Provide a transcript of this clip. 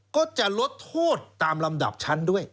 ก็จะลดโทษตามลำดับชั้นด้วย